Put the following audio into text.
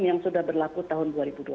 yang sudah berlaku tahun dua ribu dua puluh